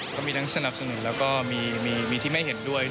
ก็มีทั้งสนับสนุนแล้วก็มีที่ไม่เห็นด้วย